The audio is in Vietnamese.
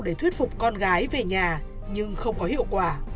để thuyết phục con gái về nhà nhưng không có hiệu quả